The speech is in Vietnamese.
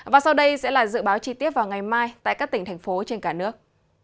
và sau đây sẽ là dự báo chi tiết vào ngày mai tại các tỉnh thành phố trên cả nước